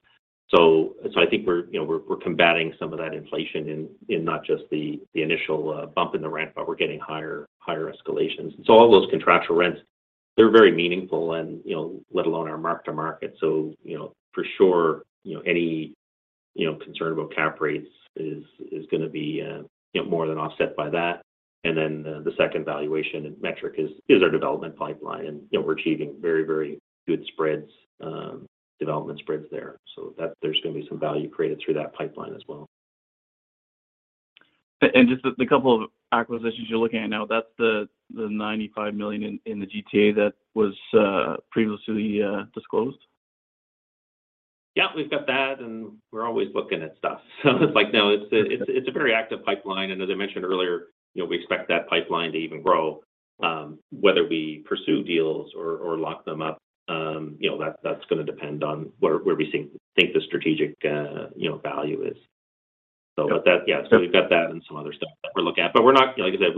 I think we're, you know, we're combating some of that inflation in not just the initial bump in the rent, but we're getting higher escalations. All those contractual rents, they're very meaningful and, you know, let alone our mark-to-market. You know, for sure, you know, any concern about cap rates is gonna be more than offset by that. Then the second valuation and metric is our development pipeline. You know, we're achieving very good spreads, development spreads there, so that there's gonna be some value created through that pipeline as well. Just the couple of acquisitions you're looking at now, that's the 95 million in the GTA that was previously disclosed? Yeah. We've got that, and we're always looking at stuff. It's like, no, it's a very active pipeline. As I mentioned earlier, you know, we expect that pipeline to even grow, whether we pursue deals or lock them up, you know, that's gonna depend on where we think the strategic, you know, value is. Okay. We've got that and some other stuff that we're looking at. Like I said,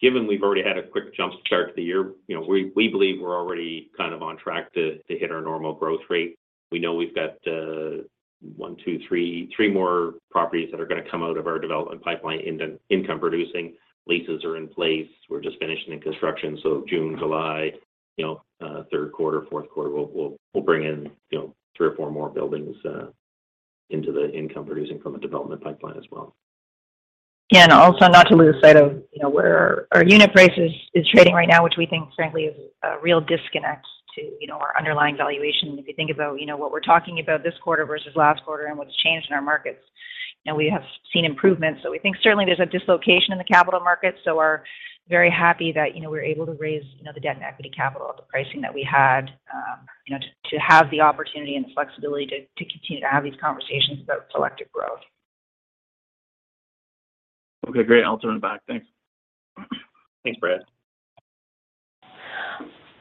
given we've already had a quick jump start to the year, you know, we believe we're already kind of on track to hit our normal growth rate. We know we've got 1, 2, 3 more properties that are gonna come out of our development pipeline into income producing. Leases are in place. We're just finishing the construction. June, July, you know, third quarter, fourth quarter, we'll bring in, you know, 3 or 4 more buildings into the income producing from a development pipeline as well. Yeah. Also not to lose sight of, you know, where our unit price is trading right now, which we think frankly is a real disconnect to, you know, our underlying valuation. If you think about, you know, what we're talking about this quarter versus last quarter and what's changed in our markets, you know, we have seen improvements. We think certainly there's a dislocation in the capital markets, so we're very happy that, you know, we're able to raise, you know, the debt and equity capital at the pricing that we had, you know, to have the opportunity and the flexibility to continue to have these conversations about selective growth. Okay. Great. I'll turn it back. Thanks. Thanks, Brad.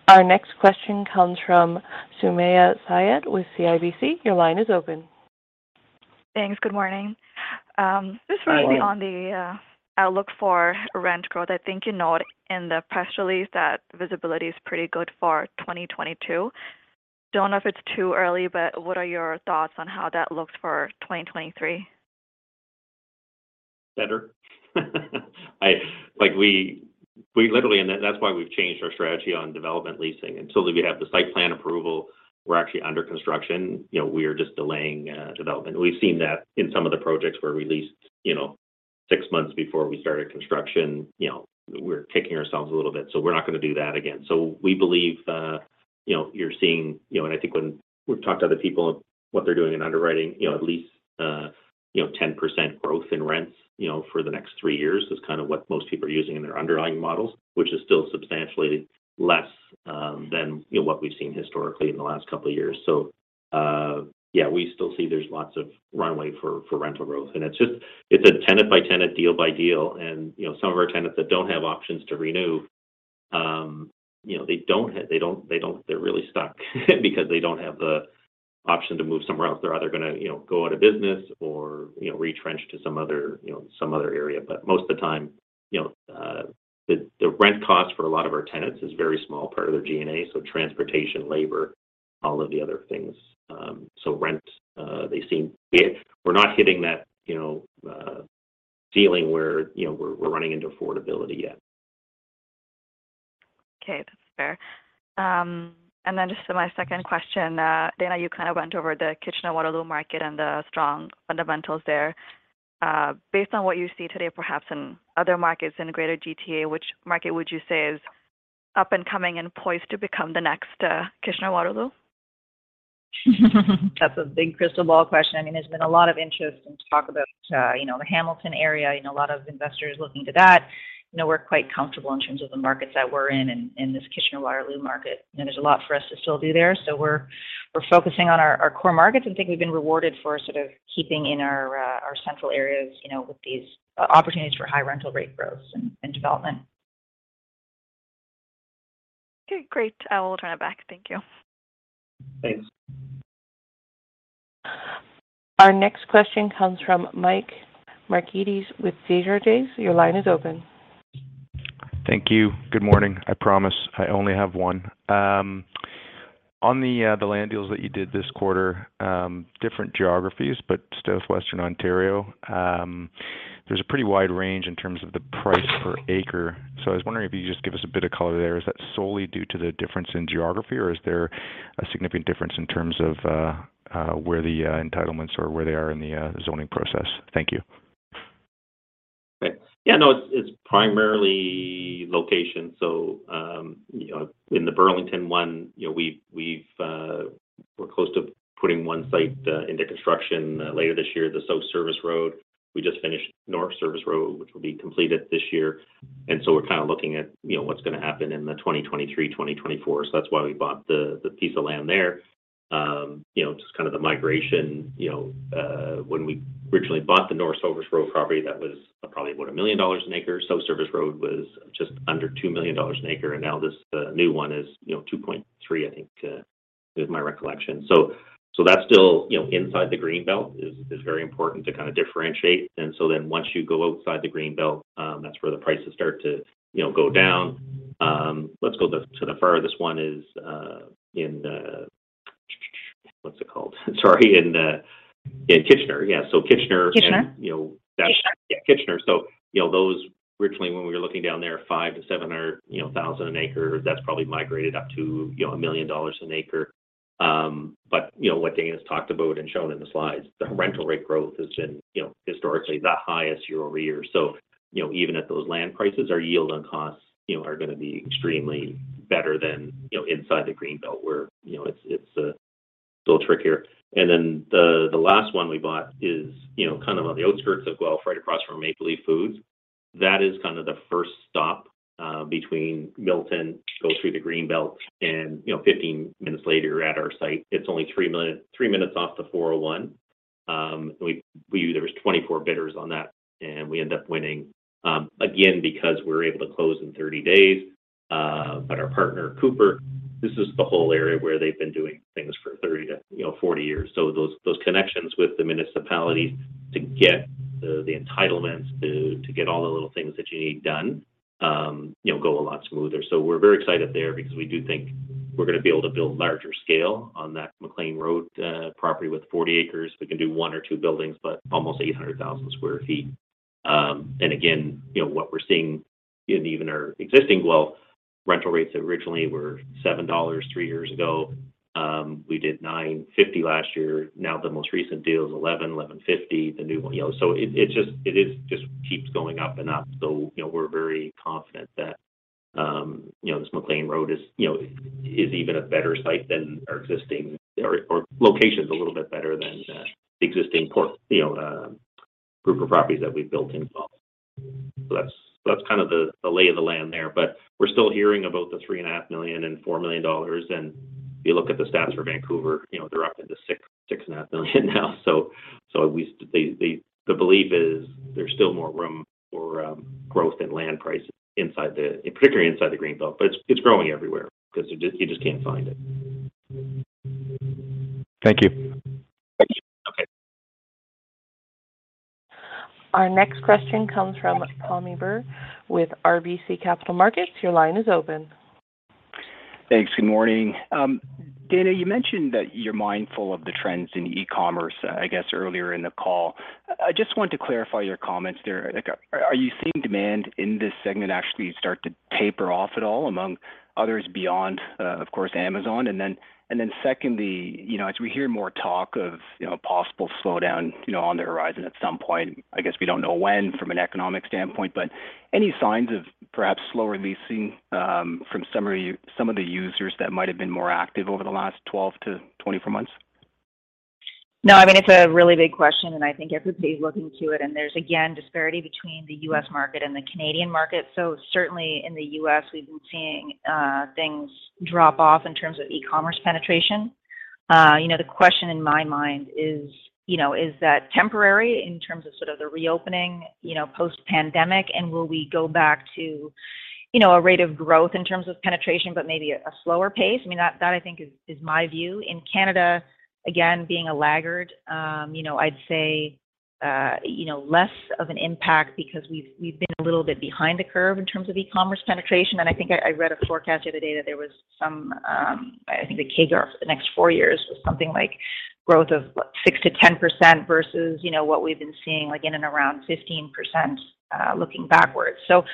Our next question comes from Sumayya Syed with CIBC. Your line is open. Thanks. Good morning. Hi, Sumayya. Just really on the outlook for rent growth. I think you note in the press release that visibility is pretty good for 2022. Don't know if it's too early, but what are your thoughts on how that looks for 2023? Better. Like, we literally. That's why we've changed our strategy on development leasing. Until we have the site plan approval, we're actually under construction. You know, we're just delaying development. We've seen that in some of the projects where we leased, you know, 6 months before we started construction. You know, we're kicking ourselves a little bit. We're not gonna do that again. We believe, you know, you're seeing. You know, and I think when we've talked to other people, what they're doing in underwriting, you know, at least, you know, 10% growth in rents, you know, for the next 3 years is kind of what most people are using in their underlying models, which is still substantially less than, you know, what we've seen historically in the last couple of years. Yeah, we still see there's lots of runway for rental growth. It's just a tenant by tenant, deal by deal. You know, some of our tenants that don't have options to renew, you know, they don't. They're really stuck because they don't have the option to move somewhere else. They're either gonna, you know, go out of business or, you know, retrench to some other, you know, some other area. Most of the time, you know, the rent cost for a lot of our tenants is very small part of their G&A, so transportation, labor, all of the other things. Rent, they seem. We're not hitting that, you know, ceiling where, you know, we're running into affordability yet. Okay. That's fair. Just my second question. Dayna, you kind of went over the Kitchener-Waterloo market and the strong fundamentals there. Based on what you see today, perhaps in other markets in the greater GTA, which market would you say is up and coming and poised to become the next, Kitchener-Waterloo? That's a big crystal ball question. I mean, there's been a lot of interest and talk about, you know, the Hamilton area, you know, a lot of investors looking to that. You know, we're quite comfortable in terms of the markets that we're in this Kitchener-Waterloo market. You know, there's a lot for us to still do there. We're focusing on our core markets, and I think we've been rewarded for sort of keeping in our central areas, you know, with these opportunities for high rental rate growth and development. Okay, great. I will turn it back. Thank you. Thanks. Our next question comes from Mike Markidis with Desjardins. Your line is open. Thank you. Good morning. I promise I only have one. On the land deals that you did this quarter, different geographies, but still Western Ontario, there's a pretty wide range in terms of the price per acre. I was wondering if you could just give us a bit of color there. Is that solely due to the difference in geography, or is there a significant difference in terms of where the entitlements or where they are in the zoning process? Thank you. Yeah, no, it's primarily location. You know, in the Burlington one, you know, we're close to putting one site into construction later this year, the South Service Road. We just finished North Service Road, which will be completed this year. We're kind of looking at, you know, what's gonna happen in the 2023, 2024. That's why we bought the piece of land there. You know, just kind of the migration, you know. When we originally bought the North Service Road property, that was probably about 1 million dollars an acre. South Service Road was just under 2 million dollars an acre, and now this new one is, you know, 2.3 million, I think, is my recollection. That's still, you know, inside the Greenbelt. It's very important to kind of differentiate. Once you go outside the green belt, that's where the prices start to, you know, go down. Let's go to the furthest one is in Kitchener. Yeah. Kitchener. Kitchener. You know. Kitchener. Yeah, Kitchener. You know, those originally, when we were looking down there, 500 thousand-700 thousand an acre, that's probably migrated up to, you know, 1 million dollars an acre. But, you know, what Dayna has talked about and shown in the slides, the rental rate growth has been, you know, historically the highest year-over-year. You know, even at those land prices, our yield on costs, you know, are gonna be extremely better than, you know, inside the green belt where, you know, it's a little trickier. Then the last one we bought is, you know, kind of on the outskirts of Guelph, right across from Maple Leaf Foods. That is kind of the first stop between Milton. Go through the green belt and, you know, 15 minutes later, you're at our site. It's only 3 minutes off the 401. There was 24 bidders on that, and we ended up winning again, because we were able to close in 30 days. Our partner, Cooper, this is the whole area where they've been doing things for 30 to, you know, 40 years. Those connections with the municipalities to get the entitlements to get all the little things that you need done, you know, go a lot smoother. We're very excited there because we do think we're gonna be able to build larger scale on that McLean Road property. With 40 acres, we can do one or two buildings, but almost 800,000 square feet. Again, you know, what we're seeing in even our existing Guelph rental rates that originally were 7 dollars three years ago, we did 9.50 last year. Now the most recent deal is 11, 11.50, the new one. You know, it just keeps going up and up. We're very confident that, you know, this McLean Road is, you know, even a better site than our existing location's a little bit better than the existing group of properties that we've built in Guelph. That's kind of the lay of the land there. We're still hearing about the 3.5 million and 4 million dollars. If you look at the stats for Vancouver, you know, they're up into 6, 6.5 million now. The belief is there's still more room for growth in land prices inside, particularly inside the green belt. It's growing everywhere because you just can't find it. Thank you. Thank you. Okay. Our next question comes from Pammi Bir with RBC Capital Markets. Your line is open. Thanks. Good morning. Dayna, you mentioned that you're mindful of the trends in e-commerce, I guess, earlier in the call. I just wanted to clarify your comments there. Like, are you seeing demand in this segment actually start to taper off at all among others beyond, of course, Amazon? And then secondly, you know, as we hear more talk of, you know, a possible slowdown, you know, on the horizon at some point, I guess we don't know when from an economic standpoint, but any signs of perhaps slower leasing, from some of the, some of the users that might have been more active over the last 12-24 months? No, I mean, it's a really big question, and I think everybody's looking to it. There's, again, disparity between the US market and the Canadian market. Certainly in the US, we've been seeing things drop off in terms of e-commerce penetration. You know, the question in my mind is, you know, is that temporary in terms of sort of the reopening, you know, post-pandemic, and will we go back to, you know, a rate of growth in terms of penetration but maybe a slower pace? I mean, that I think is my view. In Canada, again, being a laggard, you know, I'd say less of an impact because we've been a little bit behind the curve in terms of e-commerce penetration. I think I read a forecast the other day that there was some, I think the CAGR for the next four years was something like growth of, what, 6%-10% versus, you know, what we've been seeing, like in and around 15%, looking backwards. You know,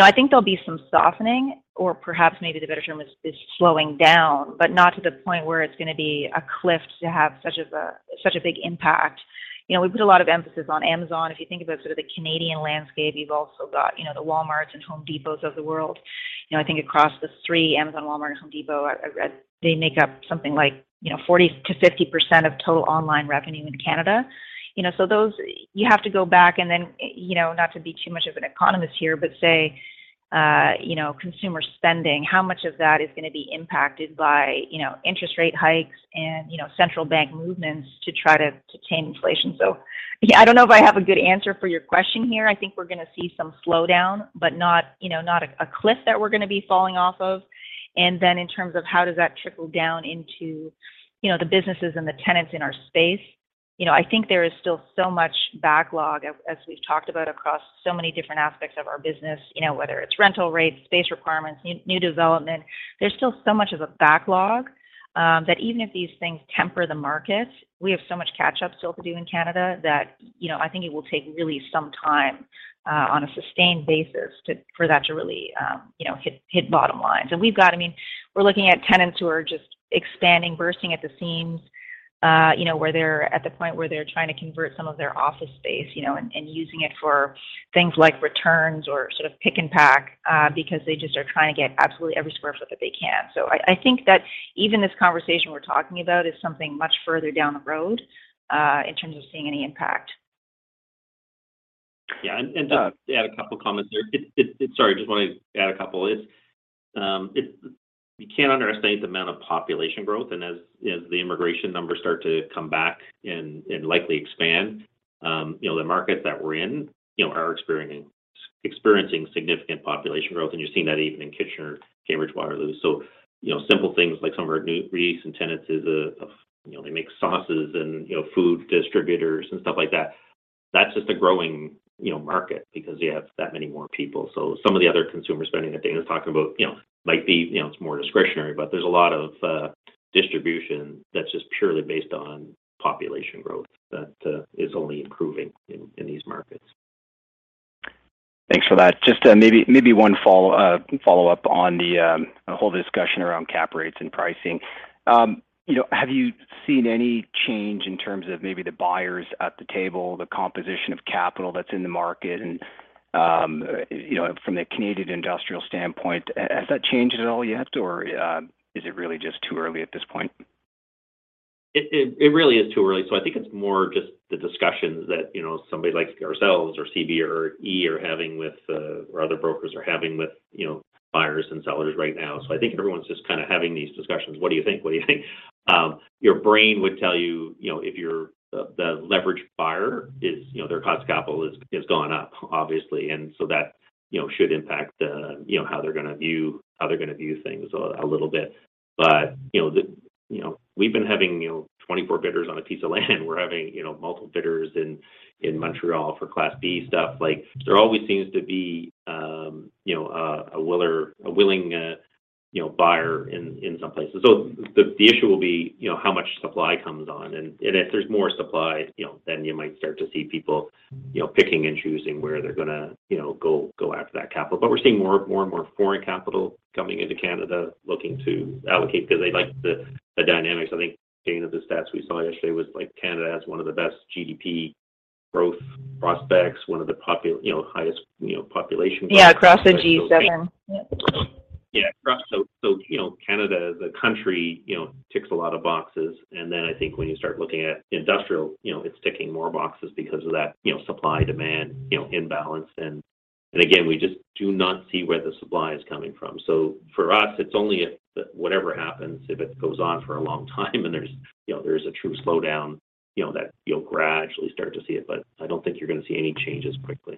I think there'll be some softening or perhaps maybe the better term is slowing down, but not to the point where it's gonna be a cliff to have such a big impact. You know, we put a lot of emphasis on Amazon. If you think about sort of the Canadian landscape, you've also got, you know, the Walmarts and Home Depots of the world. You know, I think across the three, Amazon, Walmart, and Home Depot, they make up something like, you know, 40%-50% of total online revenue in Canada. You have to go back and then, you know, not to be too much of an economist here, but say, you know, consumer spending, how much of that is gonna be impacted by, you know, interest rate hikes and, you know, central bank movements to try to tame inflation. Yeah, I don't know if I have a good answer for your question here. I think we're gonna see some slowdown, but not, you know, a cliff that we're gonna be falling off of. In terms of how does that trickle down into, you know, the businesses and the tenants in our space, you know, I think there is still so much backlog as we've talked about across so many different aspects of our business, you know, whether it's rental rates, space requirements, new development. There's still so much of a backlog that even if these things temper the market, we have so much catch up still to do in Canada that, you know, I think it will take really some time on a sustained basis for that to really you know hit bottom lines. We've got, I mean, we're looking at tenants who are just expanding, bursting at the seams. You know, where they're at the point where they're trying to convert some of their office space, you know, and using it for things like returns or sort of pick and pack, because they just are trying to get absolutely every square foot that they can. I think that even this conversation we're talking about is something much further down the road, in terms of seeing any impact. Yeah. Just to add a couple comments there. Sorry, just wanted to add a couple. You can't understate the amount of population growth. As the immigration numbers start to come back and likely expand, you know, the markets that we're in, you know, are experiencing significant population growth. You're seeing that even in Kitchener, Cambridge, Waterloo. You know, simple things like some of our new recent tenants, you know, they make sauces and, you know, food distributors and stuff like that. That's just a growing, you know, market because you have that many more people. Some of the other consumer spending that Dayna's talking about, you know, might be, you know, it's more discretionary. There's a lot of distribution that's just purely based on population growth that is only improving in these markets. Thanks for that. Just maybe one follow-up on the whole discussion around cap rates and pricing. You know, have you seen any change in terms of maybe the buyers at the table, the composition of capital that's in the market? You know, from the Canadian industrial standpoint, has that changed at all yet or is it really just too early at this point? It really is too early. I think it's more just the discussions that, you know, somebody like ourselves or CBRE or other brokers are having with, you know, buyers and sellers right now. I think everyone's just kind of having these discussions. What do you think? Your brain would tell you know, if you're the leveraged buyer, their cost of capital has gone up obviously. That should impact, you know, how they're gonna view things a little bit. You know, we've been having 24 bidders on a piece of land. We're having multiple bidders in Montreal for Class B stuff. There always seems to be, you know, a willing buyer in some places. The issue will be, you know, how much supply comes on. If there's more supply, you know, then you might start to see people, you know, picking and choosing where they're gonna, you know, go after that capital. But we're seeing more and more foreign capital coming into Canada looking to allocate because they like the dynamics. I think, Dayna, the stats we saw yesterday was, like, Canada has one of the best GDP growth prospects, one of the highest, you know, population growth. Yeah, across the G7. Yep. Yeah. Across. You know, Canada as a country, you know, ticks a lot of boxes. I think when you start looking at industrial, you know, it's ticking more boxes because of that, you know, supply-demand, you know, imbalance. Again, we just do not see where the supply is coming from. For us, it's only if whatever happens, if it goes on for a long time, and there's, you know, there is a true slowdown, you know, that you'll gradually start to see it, but I don't think you're gonna see any changes quickly.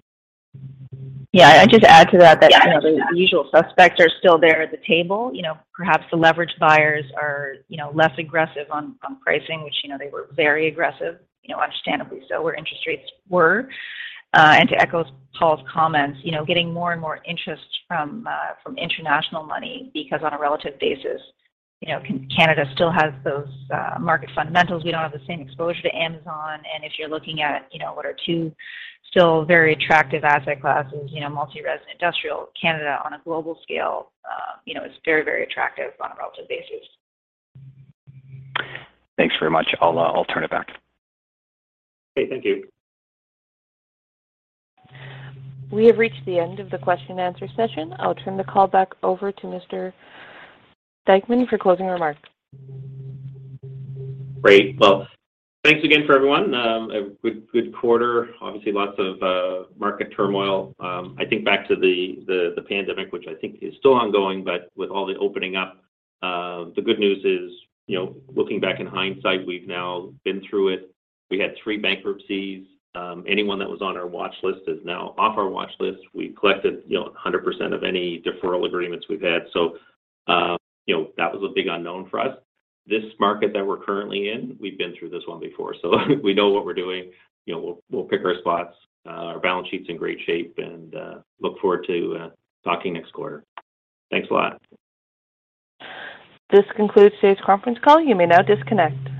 Yeah. I'd just add to that, you know, the usual suspects are still there at the table. You know, perhaps the leverage buyers are, you know, less aggressive on pricing, which, you know, they were very aggressive, you know, understandably so, where interest rates were. To echo Paul's comments, you know, getting more and more interest from international money because on a relative basis, you know, Canada still has those market fundamentals. We don't have the same exposure to Amazon. If you're looking at, you know, what are two still very attractive asset classes, you know, multifamily residential, industrial, Canada on a global scale, you know, is very, very attractive on a relative basis. Thanks very much. I'll turn it back. Okay. Thank you. We have reached the end of the question and answer session. I'll turn the call back over to Mr. Dykeman for closing remarks. Great. Well, thanks again for everyone. A good quarter, obviously lots of market turmoil. I think back to the pandemic, which I think is still ongoing, but with all the opening up, the good news is, you know, looking back in hindsight, we've now been through it. We had three bankruptcies. Anyone that was on our watch list is now off our watch list. We collected, you know, 100% of any deferral agreements we've had. That was a big unknown for us. This market that we're currently in, we've been through this one before, so we know what we're doing. You know, we'll pick our spots. Our balance sheet's in great shape and look forward to talking next quarter. Thanks a lot. This concludes today's conference call. You may now disconnect.